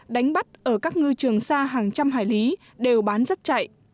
đánh bắt ở các ngư trường xa hàng trăm hải lý đều bán rất chạy